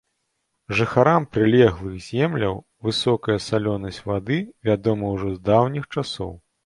Жыхарам прылеглых земляў высокая салёнасць вады вядомая ўжо з даўніх часоў.